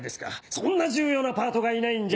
そんな重要なパートがいないんじゃ。